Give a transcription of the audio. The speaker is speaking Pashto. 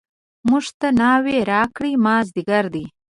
موږ ته ناوې راکړئ مازدیګر دی.